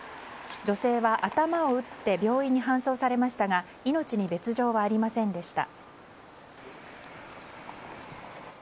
女性は頭を打って病院に搬送されましたが命に別条はありませんでした。